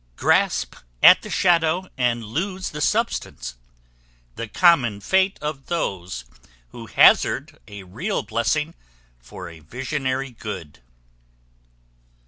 Grasp at the shadow, and lose the substance; the common fate of those who hazard a real blessing for a visionary good.